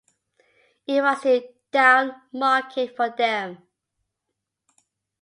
It was too downmarket for them.